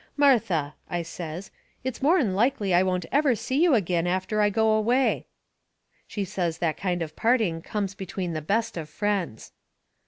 "Martha," I says, "it's more'n likely I won't never see you agin after I go away." She says that kind of parting comes between the best of friends.